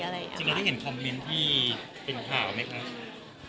จริงแล้วได้เห็นคอมเม้นท์ที่เป็นข่าวไหมครับ